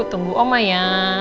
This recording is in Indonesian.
tunggu oma ya